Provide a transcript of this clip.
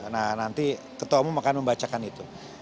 nah nanti ketemu akan membacakan itu